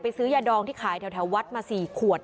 ซื้อยาดองที่ขายแถววัดมา๔ขวด